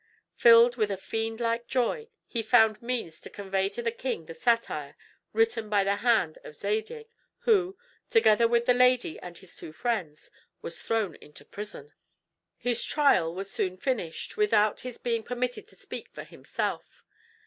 Filled with this fiendlike joy, he found means to convey to the king the satire written by the hand of Zadig, who, together with the lady and his two friends, was thrown into prison. His trial was soon finished, without his being permitted to speak for himself.